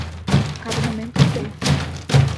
Cada momento mudei.